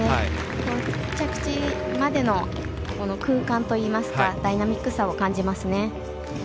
着地までの空間といいますかダイナミックさを感じますね。